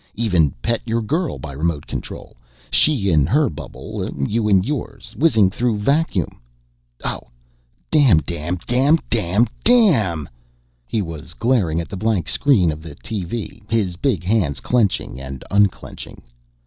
Even pet your girl by remote control she in her bubble, you in yours, whizzing through vacuum. Oh, damn damn damn damn DAMN!" He was glaring at the blank screen of the TV, his big hands clenching and unclenching.